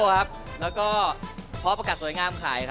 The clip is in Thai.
แล้วก็ครอบครัสสวยงามขาย